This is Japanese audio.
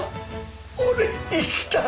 俺生きたい！